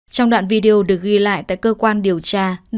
trong đoạn video được ghi lại tại cơ quan điều tra